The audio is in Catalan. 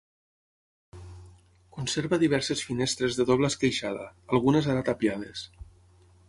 Conserva diverses finestres de doble esqueixada, algunes ara tapiades.